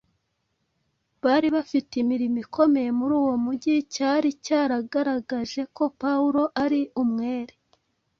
bari bafite imirimo ikomeye muri uwo mugi cyari cyaragaragaje ko Pawulo ari umwere,